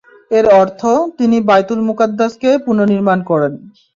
এর অর্থ— তিনি বায়তুল মুকাদ্দাসকে পুনঃনির্মাণ করেন।